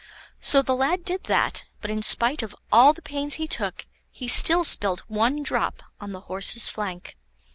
So the lad did that; but in spite of all the pains he took, he still spilt one drop on the horse's flank.